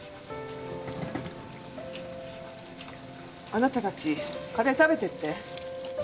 あなたたちカレー食べていって。